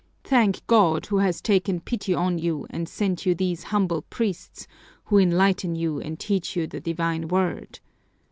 Thank God, who has taken pity on you and sent you these humble priests who enlighten you and teach you the divine word!